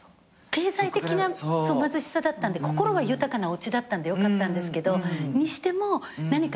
経済的な貧しさだったんで心は豊かなおうちだったんでよかったんですけどにしても何かやっぱり。